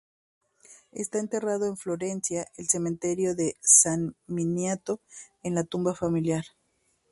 Está enterrado en Florencia, el cementerio de San Miniato, en la tumba familiar.